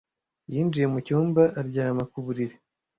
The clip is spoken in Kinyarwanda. Yinjiye mu cyumba aryama ku buriri.